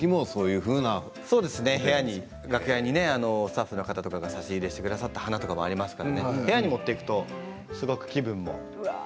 楽屋にスタッフの方が差し入れしてくださった花もありますし、部屋に持っていくとすごく気分も。